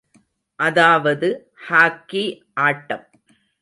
அதாவது ஹாக்கி ஆட்டம்.